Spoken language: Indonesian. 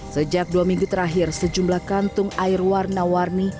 sejak dua minggu terakhir sejumlah kantung air warna warni